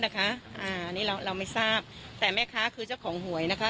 แต่แม่ฮาคือเจ้าของหวยนะคะไม่คะคือเจ้าของหวยนะคะ